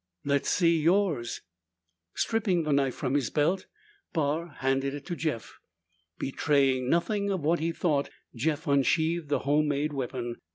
"Let's see yours." Stripping the knife from his belt, Barr handed it to Jeff. Betraying nothing of what he thought, Jeff unsheathed the homemade weapon.